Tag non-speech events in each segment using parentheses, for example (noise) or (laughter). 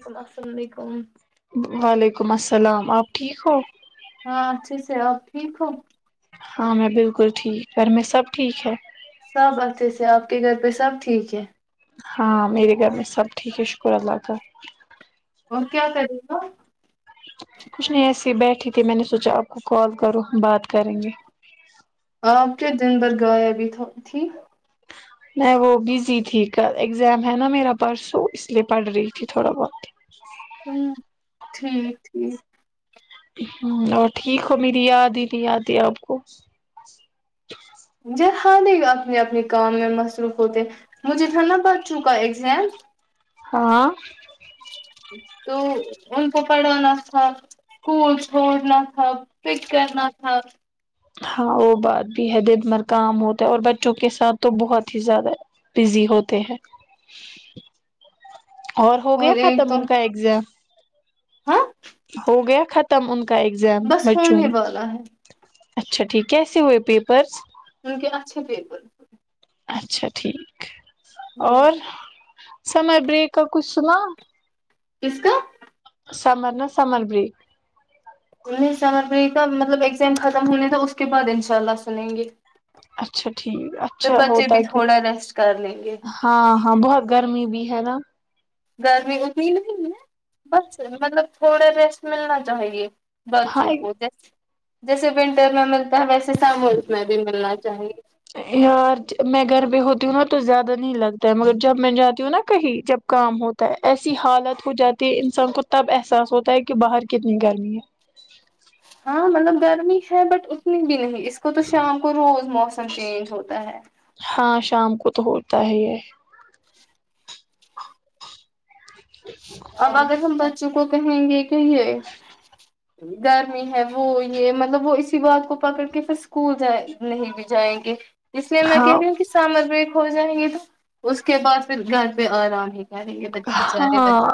السلام علیکم سلام آپ ٹھیک ہو ہاں اچھے سے آپ ٹھیک ہو ہاں میں بالکل ٹھیک پر میں سب ٹھیک ہے تو سب ٹھیک ہے ہاں میرے گھر میں سب ٹھیک ہے شکر اللہ کا اور کیا ہو کر رہے (inaudible) کچھ نہیں ایسیے بیٹھی تھی میں نے سوچا آپ کو کال کروں بات کریں گے آپ کے دن بھر غیاب تھی میں وہ بزی تھی ک ایگزام ہے نا میرا پرس لیے پڑ رہی تھی تھوڑا بہت ہوں ٹھیک ٹھیک ہ اور ٹھیک ہو میری یاد ہی نہیں یاد ہے آپ کو م جر ہال نہیں اپنے اپنے کام میں مصروف ہوتے ہیں مجھے تھا نا بچوں کا ایگزام ہاں تو ان کو پڑھانا تھا اسکول چھوڑنا تھا فک کرنا تھا ہاں وہ بات بھی ہے دن مر کام ہوتا ہے اور بچوں کے ساتھ تو بہت ہی زیادہ بزی ہوتے ہیں اور ہو گیا ایک تو ختم ان کا ایگزام ہاں ہو گیا ختم ان کو بس ہونے والا ہے اچھا ٹھیک کیسے ہوئے پیپرس انک اچھے پے بالکل اچھا ٹھیک اور سمر بریک کچھنا کس کا سمر نا سمر بریک انیس سمجھ نہیں تھا مطلب ایگزام ختم ہونے تھا اس کے بعد انشاء اللہ سنیں گے اچھا ٹھیک پھر اچھا بچے ہوتا بھی ہے کہ تھوڑا ریسٹ کر لیں گے ہاں ہاں بہت گرمی بھی ہے نا گرمی اتنی نہیں ہے بس مطلب تھوڑے ریسٹ ملنا چاہیے ہاں بچوں بود جیسے و انٹر میں ملتا ہے ویسے س مت میں بھی ملنا چاہیے یار میں گھر ہوتی ہوں نا تو زیادہ نہیں لگتا ہے مگر جب میں جاتی ہوں نا کہیں جب کام ہوتا ہے ایسی حالت ہو جاتی ہے انسان کو تب احساس ہوتا ہے کہ باہر کتنی گرمی ہے ہاں مطلب گرمی ہے بٹ اتنی بھی نہیں اس کو تو شام کو روز موسم چینج ہوتا ہے ہاں شام کو تو ہوتا ہی یہ اب اگر ہم بچوں کو کہیں رہیں گے کہ یہ گرمی ہے وہ یہ مطلب وہ اسی بات کو پکڑ کے پھر اسکول ج نہیں بھی جائیں گے اس میںے میں ہاں کہہ رہی ہوں کہ سامر ویک ہو جائیں گی اس کے بعد پھر گھر پہ آرام ہے سیںے بچ بچارے ہاں بچے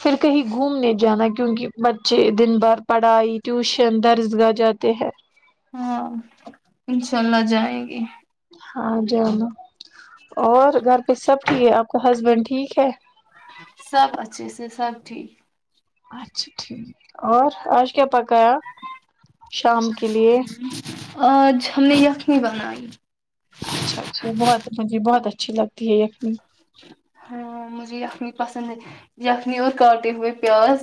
پھر کہیں گھومنے جانا کیونکہ بچے دن بھر پڑھائی ٹیوشن درز گاہ جاتے ہیں ہاں انشاء اللہ جائیں گی ہاں ج ہن اور گھر پہ سب ٹھیک ہے آپ کو ہسبینڈ ٹھیک ہے سب اچھے سےے سب ٹھیک اچھا ٹھیک اور آج کیا پکایا شام کے لیے آج ہم نے یخنی بنائی اچھا بہتے بہت اچھا اچھی لگتی ہے یہینی ہاں مجھے یخنی پسند ہے یخنی اور کاٹے ہوئے پیاز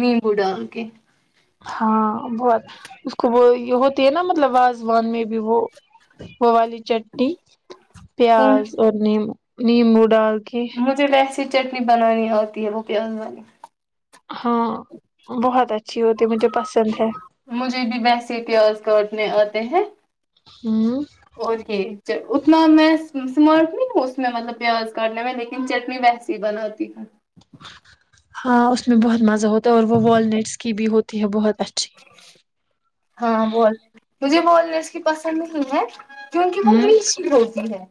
نیمبو ڈال کے ہاں بہت اس کو وہ یہ ہوتی ہے نا مطلب واازوان میں بھی وہ وہ والی چٹی پیاز اور نیمو نیمبو ڈال کے مججے ل چٹنی بنانی ہوتی ہے وہ پیاز بانی ہاں بہت اچھا مجھے بھی ویسے پیاز کاٹنے ہیں ہوں اورک اتنا میں سمارٹ نہیں ہوں اس میں مطلب پیاز کاٹنے میں لیکن چٹنی ویسی ہی بناتی ہوں ہاں اس میں بہت مزہ ہوتا ہے اور وہ والنیٹس کی بھی ہوتی ہے بہت اچھی ہاں بول مجھے بول س کی پسند نہیں ہے (unintelligible) کیونکہ وہ ہوں میچ بھی ہوتی ہے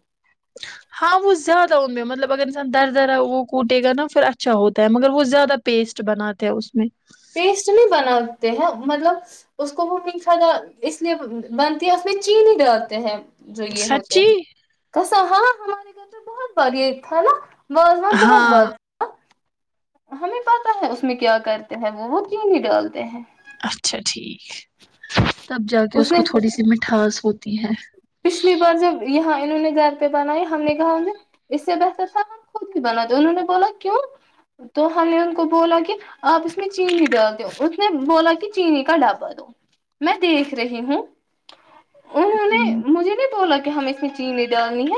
ہاں وہ زیادہ ان میں مطلب اگر انسان دردر وہ کوٹے گا نا پھر اچھا ہوتا ہے مگر وہ زیادہ پیسٹ بناتے ہیں اس میں پیسٹ نہیں بناتے ہیں مطلب اس کو وہ مٹھا اس لیے بنتی ہے اس میں چینی ڈالتے ہیں جوئیے ہوتے سچی ہاں ہمارے گھر پہ بہت باریا تھا نا بضو بہت ہاں بس ہمیں پتا ہے اس میں کیا کرتے ہیں وہ وہ کیوں نہیں ڈالتے ہیں اچھا ٹھیک تب جا کے اس کو تھوڑی سی مٹھاس ہوتی تی ہے پچھلی بار جب یہاں انہوں نے گھر پہ بنائی ہم نے کہا ان اس سے بہتر تھا ہم خود بھی بنا دو انہوں نے بولا کیوں تو ہم نے ان کو بولا کہ آپ اس میں چینی ڈال دو اس نے بولا کہ چینی کا ڈبہ دو میں دیکھ رہی ہوں اچھا انہوں ٹھیک نے مجھے نہیں بولا کہ ہم اس میں چینی ڈالنی ہے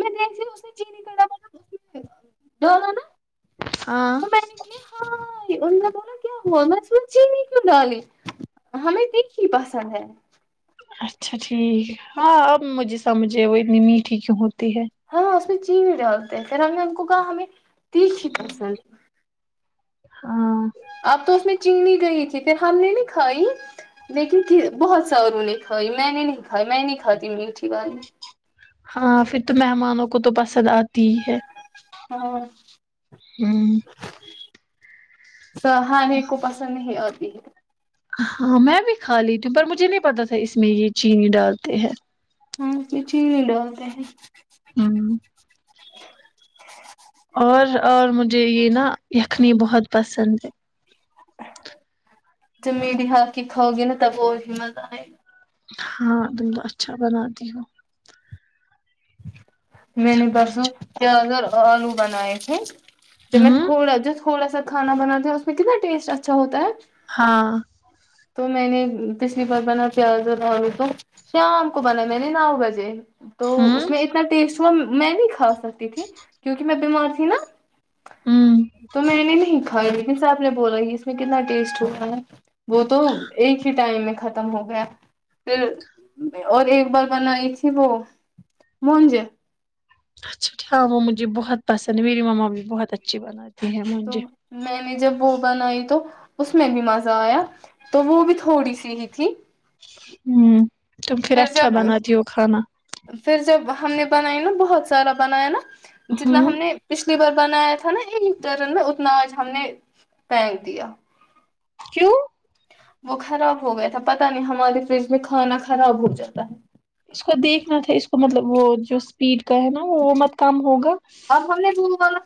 میں دیک چینی کا ڈالا نا ہاں ان میں بولو کیا ہو م چینی کیوں ڈالی ہمیں دیک ہی پسند ہے اچھا ٹھیک ہاں اب مجھی سمجھے وہ ات ن میٹھی گہند (inaudible) ٹی ڈالتے ہیں فی الحال نے ہم کو کہا ہمیں تییک ہی پسند ہاں چنی گئی تھی پھر ہم نے نہیں کھائی لیکن بہت سا ان نے کھائی میں نے نہیں کھائی میں نہیں کھاتا ت میٹھی والی ہاں پھر تو مہمانوں کو تو پسند آتی ہی ہے ہاں تو ہا نہیں کوپسند نہیں ہے ہاں میں بھی کھا لیتی ہوں پر مجھے نہیں پتا تھا اس میں یہ چینی ڈالتے ہیں ہاں کچھ ہی نہیں ڈالتے ہیں ہوں اور اور مجھے یہ نا یخنی بہت پسند ہے ج م بھی ہ کے کھاؤ گی نا تب وہ ہی مزہ آئے گا ہاں تم کو اچھا بناتی ہو میں نے سب پرسوں کچھ کیا کر آلو بنائے تھ ج میں ہوں تھوڑا جا تھوڑا سا کھانا بنات ہیں اس میں کتنا ٹیسٹ اچھا ہوتا ہے ہاں تو میں نے پچھلی بار بنا پیاز و دلو تو شام کو بنا میں نے نو بجے تو اس ہاں میں اتنا ٹیسٹ وہ میں نہیں کھا رکتی تھی کیونکہ میں بیمار تھی نا ہوں تو میں نے نہیں ہ لیکن صاحب نے بولا اس میں کتنا ٹیسٹ ہوا ہے وہ تو ایک ہی ٹائم میں ختم ہو گیا پھر اور ایک بار بنائی تھی وہ مجے اچا ہاں وہ مجھے بہت پسند ہے میری مما بھی بہت اچھی بناتی ہے تو مجھے میں نے جب وہ بنائی تو اس میں بھی مزہ آیا تو وہ بھی تھوڑی سی ہی تھی ہوں تم پھر اچھا بناتی ہو کھانا پھر جب ہم نے بنائی نا بہت سارا بنایا نا جتنا ہوں ہم نے پچھلی بار بنایا تھا نا ایک ترن اتنا آج ہم نے پھینک دیا کیوں وہ خراب ہو گیا تھا پت نہیں ہماری فریج میں کھانا خراب ہو جاتا اس کو دیکھنا تھا اس کو مطلب وہ جو اسپیڈ کہ نا وہ وہ مت کام ہوگا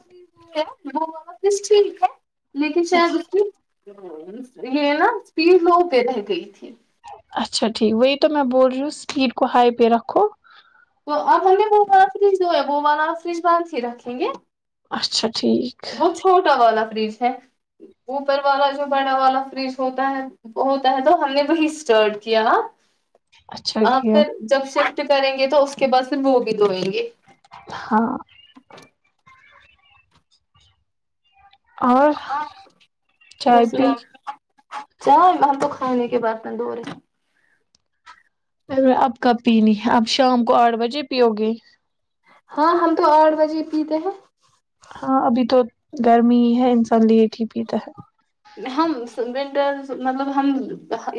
ما کس ٹھیک ہے لیکن شاید اس کی یہ نا اسپیڈ لو پہ رہ گئی تھی اچھا ٹھیک وہی تو میں بول رہی ہوں اسپیڈ کو ہائی پہ رکھو تو آپ ہم نے وہ ون آ فریج جو ہے وہ ون آر فریج بند ہی رکھیں گے اچھا ٹھیک وہ چھوٹا والا فریج ہے اوپر والا جو بڑا والا فریج ہوتا ہے ہوتا ہے تو ہم نے وہی اسٹارٹ کیا اچھا آ کیا پھر جب سے کریں گے تو اس کہ بس وہوگ دوئےیں گی ہاں اور چائے بس پی چا تو سونے کے بعد میں دو رہے ار اب کب پینین ہے اپ شام کو آٹھ بجے پیؤ گے ہاں ہم تو آٹھ بجے پیتے ہیں ہاں ابھی تو گرمی ہی ہے انسان لیٹ ہی پیتا ہے ہم ونٹرز مطلب ہم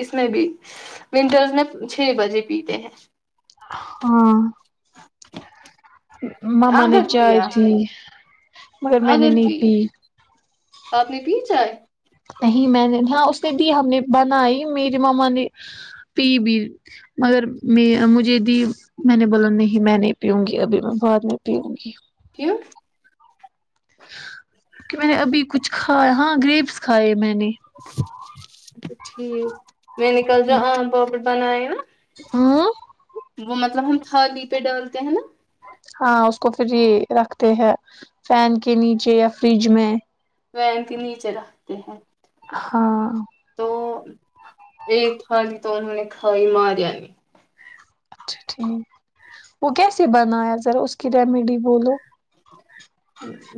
اس میں بھی ونٹرز میں چھ بجے پیتے ہیں ہاں مما نے اگر چاہ پیا تھی اگر کی پپ نے بھی چائے نہیں میں نے ہاں اس نے دی ہم نے بنائی میری ماما نے پی بھی مگر میں مجھے دی میں نے بولا نہیں میں نہیں پیوںں گی ابھی میں بعد میں پیوںں گی کی کہ میں نے ابھی کچھ کھایا ہاں گریبس کھائے میں نے اچ ٹھیک میں نےکل جا آ ب بنایا ن ہوں وہ مطلب ہم تھالی پہ ڈالتے ہیں نا ہاں اس کو پھر رکھتے ہیں فین کے نیچے یا فریج میں وین کے نیچے رکھتے ہیں ہاں وہ ایک تھالی تو انہوں نے کھائی مارانی اچھا ٹھیک وہ کیسے بنایا ذرا اس کی ریمیڈی بولو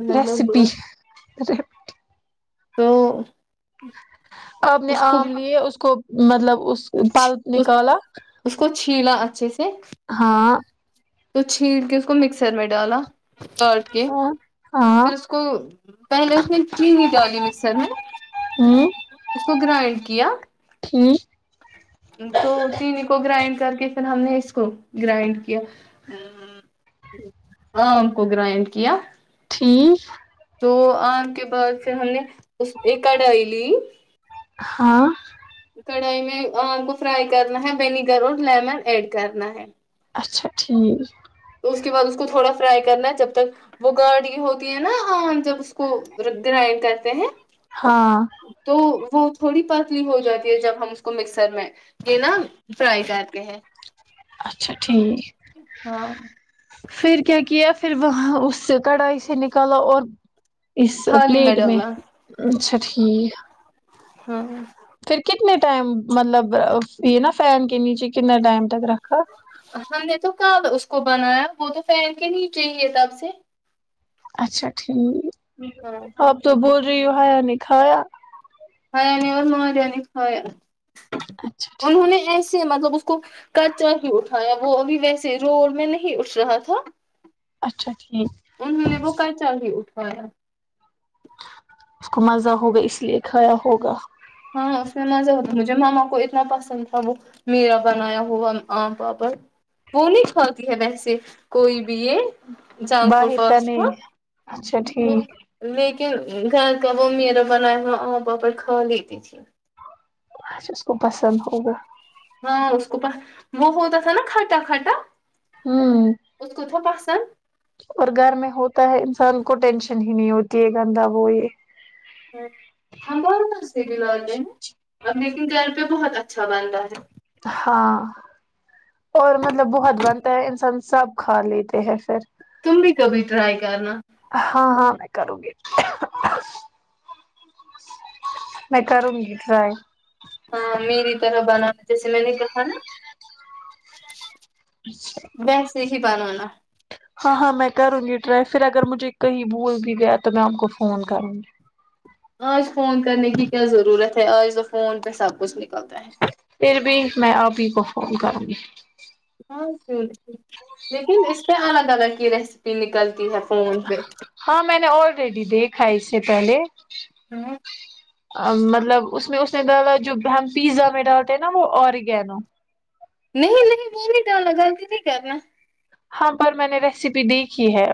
مطلب ا (unintelligible) تو آپ نے اس کو آم لیے اس کو مطلب اس پلب نکالا پچس ہاں تو چھیل کے اس کو مکسر میں ڈالا چٹ کے ہاں ہاں پھر اس کو پہلے اس نے کیی ڈالی مکسر میں اس کو گرائنڈ کیا ہوں تو چینی کو گرائنڈ کر کے پھر ہم نے اس کو گرائنڈ کیا آم کو گرائنڈ کیا ٹھیک تو آم کے بعد پھر ہم نے اس ایک کڑھائی لی ہاں کڑائی میں آم کو فرائی کرنا ہے ونییگر اور لیمن ایڈ کرنا ہے اچھا ٹھیک تو اس کے بعد اس کو تھوڑا فرائی کرنا جب تک وہ گاڈ کی ہوتی ہے نا جب اس کو گرائنڈ کرتے ہیں ہاں تو وہ تھوڑی بہات ہو جاتی ہے جب ہم اس کو مکسر میں یہ نا فرائی کرتے ہیں اچھا ٹھیک ہاں پھر کیا کیا پھر وہاں اس سے کڑھائی سے نکالا اور اس تھالی پلیٹ میں ڈالا اچھا جییک ہاں پھر کتنے ٹائم مطلب یہ نا فین کنی چی کنا ائم تک را ہمندے تو (inaudible) ک اس کو بنایا وہ تو فن کے نیچے ہی ہے تب سے اچھا ٹھیک ہاں اب تو بول ریو ہیا نہیں کھایا مینے اور ماریا نے کھایا اچھا ٹھیک انہوں نے ایسے مطلب اس کو کچا ہی اٹھایا وہ ابھی ویسے رول میں نہیں اٹھ رہا تھا اچھا ٹھیک انوں نے وہ کچا بھی اوٹھا ہاںاں اس کو مزہ ہوگا اس لیے کھایا ہوگا ہاں اس میں مزا ہوتا مجھے ماما کو اتنا پسند تھا وہ میرا بنایا ہوا آم پاپڑ وہ نہیں کھاتی ہے ویسے کوئی بھی یہ جنک فوڈ باہر کا فاسٹ نہیں اچھا ٹھیک کہ گھر کا وہ میرا بناائے ہ آپ باپر خالی یک اچ کو پسند ہوگا پا وہ ہوتا تھا نا کھٹا کھٹا ہ اس کو تھا پسند اور گھر میں ہوتا ہے ان کو ٹینشن ہی نہیں ہوتی ہے گندا وہ یہ ہ ہم بہت مے بھی لاتے ہیں اب لیکن گھر پہ بہت اچھا بنتا ہے ہاں اور مطلب بہت بنتا ہے انسان سب کھا لیتے ہیں پھر تم بھی کبھی ٹرائی کرنا ہاں ہاں میں کروں گی میں کروں گی ٹرائی اچھا س میں ک تھا نا بس یہی بنوناا ہاں ہاں میں کروں گی ٹرائی پھر اگر مجھے کہیں بھول بھی گیا تو میں آپ کو فون کروں گی آج فون کرنے کی کیا ضرورت ہے آج تو فون پہ سب کچھ نکلتا ہے پھر بھی میں آپ ہی کو فون کروں گی ہاں کی لیکن اس پہ الگ الگ کی ریسیپی نکلتی ہے فون پہ ہاں میں نے اور ریڈی دےھائیس پے ہوں مطلب اس میں اس نے ڈالا جو بہم پیزا میں ڈالتے نا وہ اورگ نو نہیں نہیں میں نہیں ڈالنا گغل کی نہیں کرنا ہاں پر میں نے ریسیپی دیکھی ہے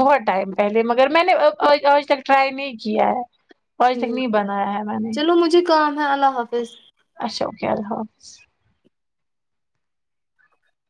بہت ٹائم پہلے مگر میں نے آج تک ٹرائی نہیں کیا ہے آج تک ٹھیک، نہیں بنایا ہے میں نے چلو مجھے کام ہے اللہ حافظ شوکے اللہ حافظ